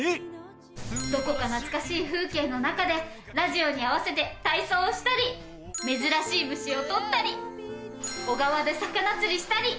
どこか懐かしい風景の中でラジオに合わせて体操をしたり珍しい虫を捕ったり小川で魚釣りしたり。